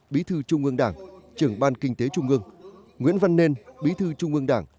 bí thư trung ương đảng trưởng ban kinh tế trung ương nguyễn văn nên bí thư trung ương đảng